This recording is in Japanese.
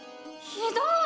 ひどい！